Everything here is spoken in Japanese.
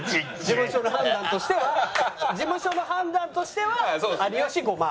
事務所の判断としては事務所の判断としては有吉５万。